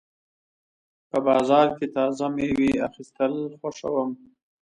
په بازار کې تازه مېوې اخیستل خوښوم.